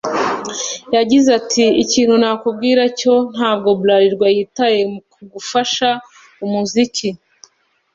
yagize ati “ Ikintu nakubwira cyo ntabwo Bralirwa yitaye ku gufasha umuziki